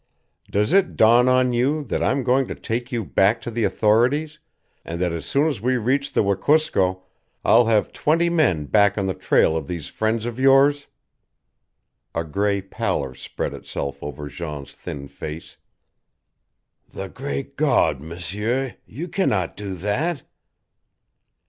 Does it dawn on you that I'm going to take you back to the authorities, and that as soon as we reach the Wekusko I'll have twenty men back on the trail of these friends of yours?" A gray pallor spread itself over Jean's thin face. "The great God, M'seur, you can not do that!"